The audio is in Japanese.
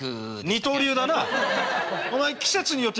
二刀流な。